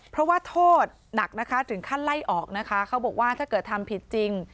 เพราะว่าโทษหนักนะคะถึงขั้นไล่ออกนะคะเขาบอกว่าถ้าเกิดทำผิดจริง